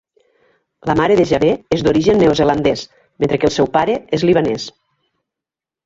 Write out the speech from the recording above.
La mare de Jaber és d'origen neozelandès, mentre que el seu pare és libanès.